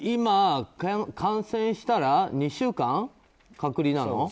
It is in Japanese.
今、感染したら２週間隔離なの？